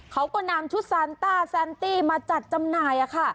เขาก็นำชุดซานต้าแซนตี้มาจัดจำหน่าย